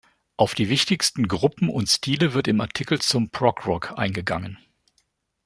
Auf die wichtigsten Gruppen und Stile wird im Artikel zum Prog-Rock eingegangen.